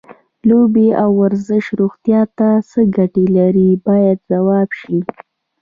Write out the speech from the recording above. لوبې او ورزش روغتیا ته څه ګټې لري باید ځواب شي.